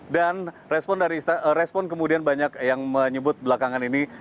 dan respon kemudian banyak yang menyebut belakangan ini